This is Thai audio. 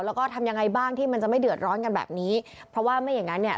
แล้วก็ทำยังไงบ้างที่มันจะไม่เดือดร้อนกันแบบนี้เพราะว่าไม่อย่างงั้นเนี่ย